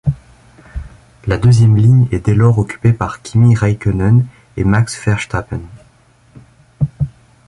La deuxième ligne est dès lors occupée par Kimi Räikkönen et Max Verstappen.